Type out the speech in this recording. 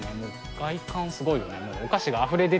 外観すごいよね。